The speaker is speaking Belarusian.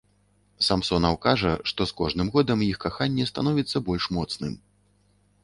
Самсонаў кажа, што з кожным годам іх каханне становіцца больш моцным.